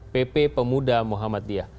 pp pemuda muhammad diyah